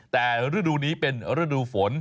แต่ฤดูนี้เป็นฤดูฝน